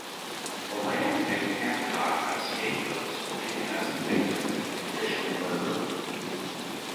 Morant and Handcock as scapegoats or even as the victims of judicial murder.